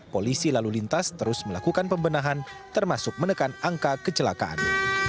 polisi lalu lintas terus melakukan pembenahan termasuk menekan angka kecelakaan